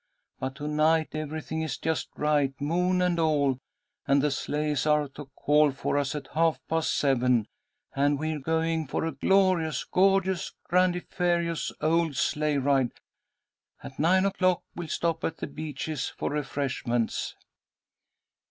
But to night everything is just right, moon and all, and the sleighs are to call for us at half past seven, and we're going for a glorious, gorgeous, grandiferous old sleigh ride. At nine o'clock we'll stop at The Beeches for refreshments."